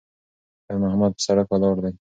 خیر محمد پر سړک ولاړ دی.